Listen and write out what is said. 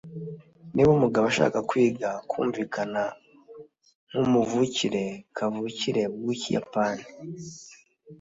Niba umugabo ashaka kwiga kumvikana nkumuvukire kavukire wikiyapani